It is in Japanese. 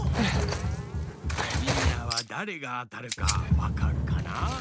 みんなはだれがあたるかわかるかな？